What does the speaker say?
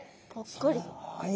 はい。